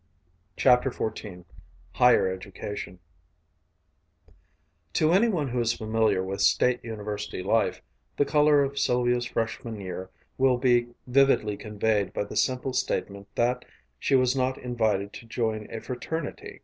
CHAPTER XIV HIGHER EDUCATION To any one who is familiar with State University life, the color of Sylvia's Freshman year will be vividly conveyed by the simple statement that she was not invited to join a fraternity.